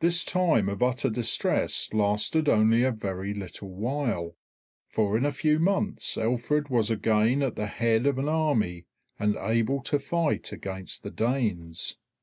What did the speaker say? This time of utter distress lasted only a very little while, for in a few months Alfred was again at the head of an army and able to fight against the Danes.